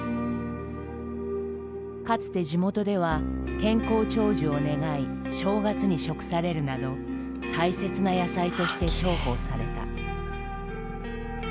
かつて地元では健康長寿を願い正月に食されるなど大切な野菜として重宝された。